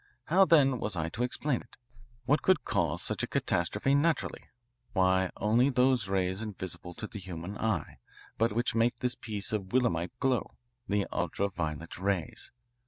How then was I to explain it? What could cause such a catastrophe naturally? Why, only those rays invisible to the human eye, but which make this piece of willemite glow the ultra violet rays."